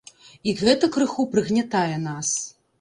І гэта крыху прыгнятае нас.